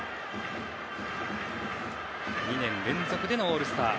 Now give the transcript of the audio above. ２年連続でのオールスター。